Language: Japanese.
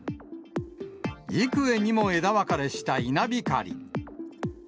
幾重にも枝分かれした稲光。